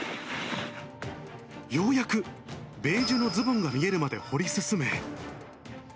ようやくベージュのズボンが見えるまで掘り進め。